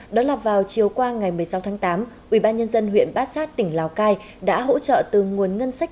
đó là vào chiều qua ngày một mươi sáu tháng tám ubnd huyện bát sát tỉnh lào cai đã hỗ trợ từ nguồn ngân sách